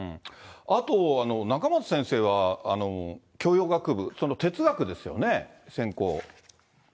あと、仲正先生は教養学部、哲学ですよね？